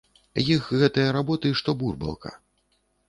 Іх гэтыя работы, што бурбалка.